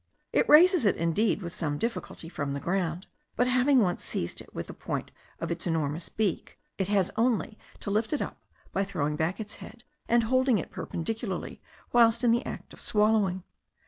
It raises it indeed with some difficulty from the ground, but, having once seized it with the point of its enormous beak, it has only to lift it up by throwing back its head, and holding it perpendicularly whilst in the act of swallowing.